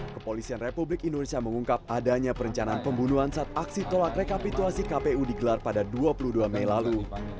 kepolisian republik indonesia mengungkap adanya perencanaan pembunuhan saat aksi tolak rekapitulasi kpu digelar pada dua puluh dua mei lalu